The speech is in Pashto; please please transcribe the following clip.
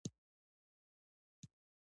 ډيپلومات د اړیکو مهارتونه پالي.